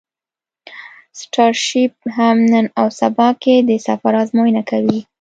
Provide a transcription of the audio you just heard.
سټارشیپ هم نن او سبا کې د سفر ازموینه کوي.